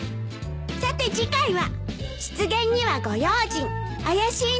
さて次回は。